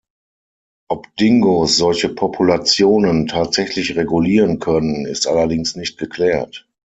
Ob Dingos solche Populationen tatsächlich regulieren können, ist allerdings nicht geklärt.